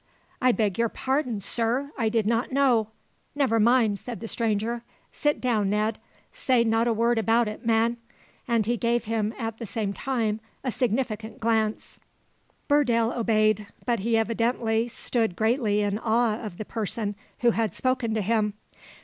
"I beg your pardon, sir! I did not know " "Never mind!" said the stranger; "sit down, Ned; say not a word about it, man!" and he gave him at the same time a significant glance. Burdale obeyed; but he evidently stood greatly in awe of the person who had spoken to him.